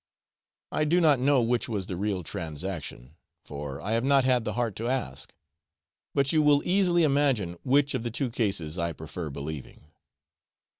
I do not know which was the real transaction, for I have not had the heart to ask; but you will easily imagine which of the two cases I prefer believing.